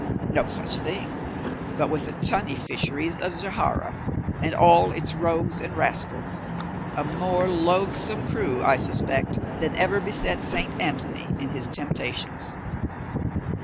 No such thing, but with the tunny fisheries of Zahara, and all its rogues and rascals,—a more loathsome crew, I suspect, than ever beset St. Anthony in his temptations."